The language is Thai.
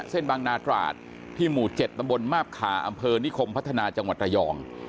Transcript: เส้นบางนาตราดที่หมู่๗ตำบลมาบขาอำเภอนิคมพัฒนาจังหวัดระยอง